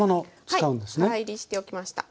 はい深煎りしておきました。